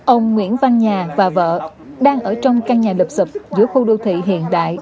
ông nguyễn văn nhà và vợ đang ở trong căn nhà lập sập giữa khu đô thị hiện đại